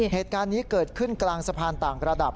เหตุการณ์นี้เกิดขึ้นกลางสะพานต่างระดับ